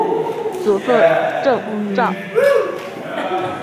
祖父郑肇。